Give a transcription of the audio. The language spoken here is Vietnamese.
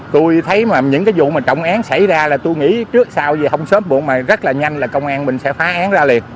tôi thấy những vụ trọng án xảy ra là tôi nghĩ trước sau gì không sớm buộc mà rất là nhanh là công an mình sẽ phá án ra liền